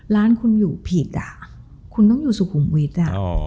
ร้านคุณอยู่ผิดอ่ะคุณต้องอยู่สุขุมวิทย์อ่ะ